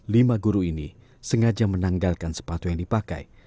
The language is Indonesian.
lima guru ini sengaja menanggalkan sepatu yang dipakai